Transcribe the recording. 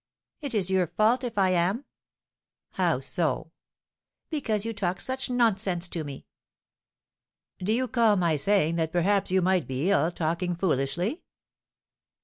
"It is your fault if I am." "How so?" "Because you talk such nonsense to me." "Do you call my saying that perhaps you might be ill, talking foolishly?"